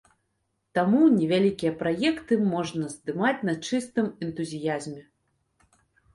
Таму невялікія праекты можна здымаць на чыстым энтузіязме.